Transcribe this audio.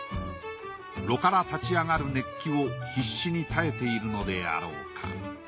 炉から立ち上がる熱気を必死に耐えているのであろうか。